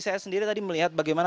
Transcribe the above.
saya sendiri tadi melihat bagaimana